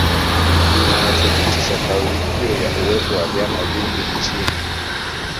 Inayothibitisha kauli hiyo ya uwepo wa vyama vingi nchini